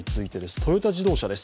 トヨタ自動車です。